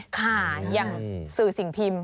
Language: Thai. ค่ะอย่างสื่อสิ่งพิมพ์